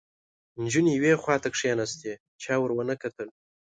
نجونې یوې خواته کېناستې، چا ور ونه کتل